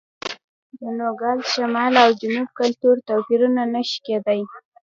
د نوګالس شمال او جنوب کلتور توپیرونه نه شي کېدای.